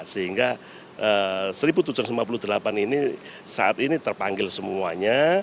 sehingga seribu tujuh ratus lima puluh delapan ini saat ini terpanggil semuanya